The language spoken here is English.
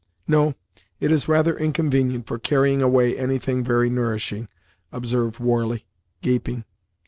"No; it is rather inconvenient for carrying away any thing very nourishing," observed Warley, gaping.